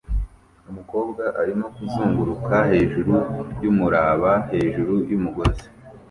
Umukobwa arimo kuzunguruka hejuru yumuraba hejuru yumugozi